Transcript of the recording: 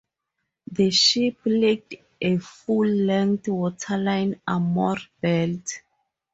The ship lacked a full-length waterline armor belt.